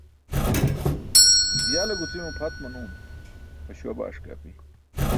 Ya le gucimo phat manum, ho śuwa baaṣ ke api.